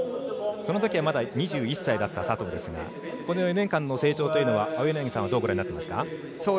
そのときはまだ２１歳だった佐藤ですがこの４年間の成長は青柳さんはどうご覧になってますか。